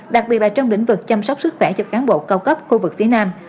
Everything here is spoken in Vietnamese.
đặc biệt là trong lĩnh vực chăm sóc sức khỏe cho cán bộ cao cấp khu vực phía nam